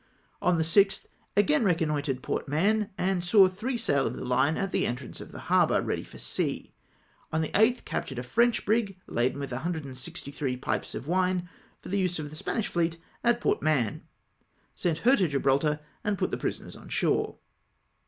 On the 6th, again reconnoitred Port Mahon, and saw three sail of the fine at the entrance of the harbour, ready for sea. On the 8tli captured a French brig, laden with 1G3 pipes of wine for the use of the Spanish fleet at Port Mahon ; sent her to Gibraltar, and put the prisoners on shore.